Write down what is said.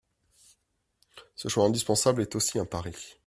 Ce choix indispensable est aussi un pari.